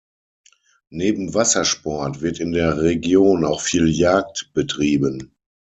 Neben Wassersport wird in der Region auch viel Jagd betrieben.